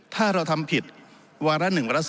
ถ้าเราทำผิดวาระ๑วาระ๒